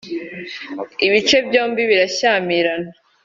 ibice byombi birashyamirana.